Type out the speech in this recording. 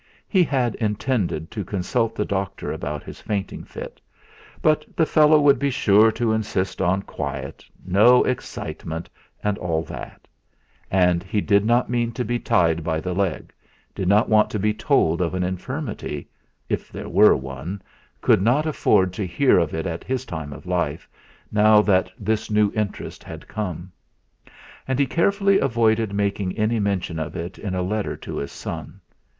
He had intended to consult the doctor about his fainting fit, but the fellow would be sure to insist on quiet, no excitement and all that; and he did not mean to be tied by the leg, did not want to be told of an infirmity if there were one, could not afford to hear of it at his time of life, now that this new interest had come. And he carefully avoided making any mention of it in a letter to his son.